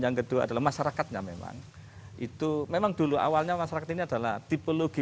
yang kedua adalah masyarakatnya memang itu memang dulu awalnya masyarakat ini adalah tipologi